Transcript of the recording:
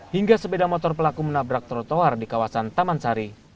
hingga sepeda motor pelaku menabrak trotoar di kawasan taman sari